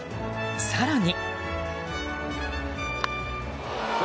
更に。